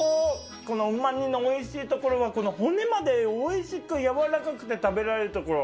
このうま煮のおいしいところは骨までおいしく軟らかくて食べられるところ。